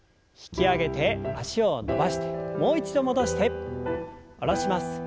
引き上げて脚を伸ばしてもう一度戻して下ろします。